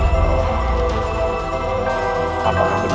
menempatkan kota yang warna